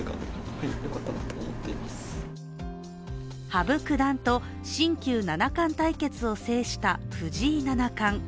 羽生九段と新旧七冠対決を制した藤井七冠。